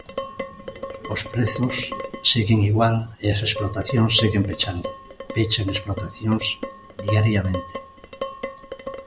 Os prezos seguen igual e as explotacións seguen pechando, pechan explotacións diariamente.